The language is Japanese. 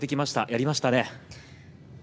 やりましたね。